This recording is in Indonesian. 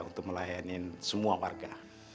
untuk melayani semua warga